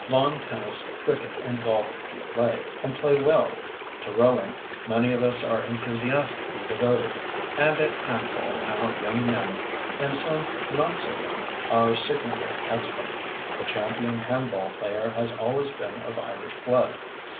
Lawn tennis, cricket, and golf we play, and play well; to rowing many of us are enthusiastically devoted; and at handball our young men and some not so young are signally expert. The champion handball player has always been of Irish blood.